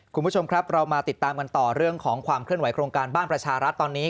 คุณผู้ชมครับเรามาติดตามกันต่อเรื่องของความเคลื่อนโครงการบ้านประชารัฐตอนนี้